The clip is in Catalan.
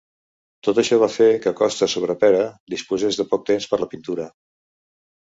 Tot això va fer que Costa Sobrepera disposés de poc temps per la pintura.